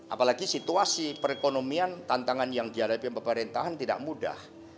apalagi situasi perekonomian tantangan yang dihadapi pemerintahan tidak mudah